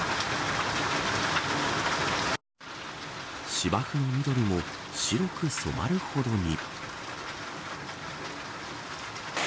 芝生の緑も白く染まるほどに。